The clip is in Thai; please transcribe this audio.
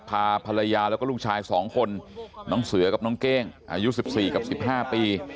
พาภรรยาแล้วก็ลูกชาย๒คนน้องเสือกับน้องเก้งอายุ๑๔กับ๑๕ปี